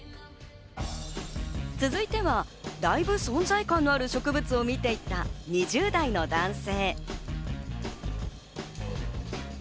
続いては、だいぶ存在感のある植物を見ていた２０代の男性。